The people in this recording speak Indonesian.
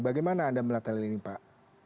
bagaimana anda melihat hal ini pak